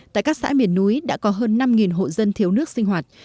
tại các xã miền núi đã có hơn năm hộ dân thiếu nước sinh hoạt